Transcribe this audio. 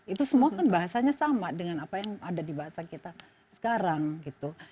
itu semua kan bahasanya sama dengan apa yang ada di bahasa kita sekarang gitu